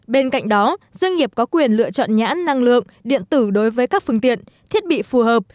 bên cạnh đó doanh nghiệp có quyền lựa chọn nhãn năng lượng điện tử đối với các phương tiện thiết bị phù hợp